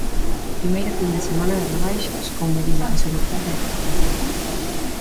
Primeira fin de semana de rebaixas, con medidas de seguridade extra.